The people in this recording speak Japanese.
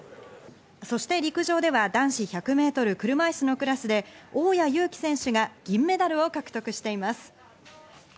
そして陸上では男子１００ｍ車いすのクラスで大矢勇気選手が銀メダルを獲得しています。